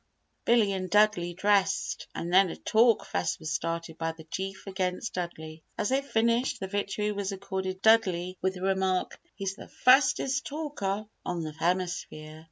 Billy and Dudley dressed and then a Talk Fest was started by the Chief against Dudley; as they finished the victory was accorded Dudley with the remark, "He's the fastest talker on the hemisphere!"